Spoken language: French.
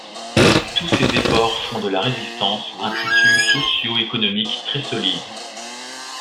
Tous ces efforts font de la résistance un tissu socio-économique très solide.